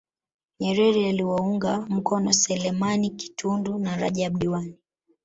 Nyerere aliwaunga mkono Selemani Kitundu na Rajab Diwani